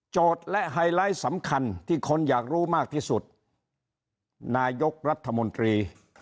และไฮไลท์สำคัญที่คนอยากรู้มากที่สุดนายกรัฐมนตรี